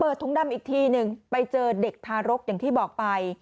ถุงดำอีกทีหนึ่งไปเจอเด็กทารกอย่างที่บอกไป